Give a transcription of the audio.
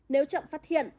nếu chậm phát hiện